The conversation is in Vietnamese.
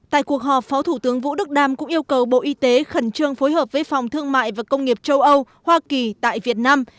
tại cuộc họp phó thủ tướng vũ đức đam cũng yêu cầu bộ y tế khẩn trương phối hợp với phòng thương mại và công nghiệp châu âu hoa kỳ tại việt nam